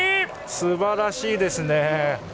すばらしいですね。